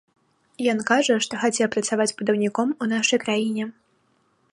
Ён кажа, што хацеў працаваць будаўніком у нашай краіне.